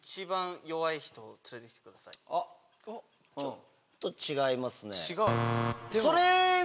ちょっと違いますね。